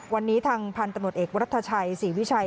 วันนี้ทางพันตะโบดเอกรัฐชัยสีวิชัย